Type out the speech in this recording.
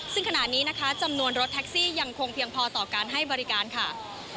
ซึ่งขณะนี้นะคะจำนวนรถแท็กซี่ยังคงเพียงพอต่อการให้บริการค่ะ